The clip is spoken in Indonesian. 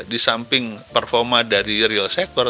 di samping performa dari real sector